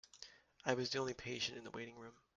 I was the only patient in the waiting room.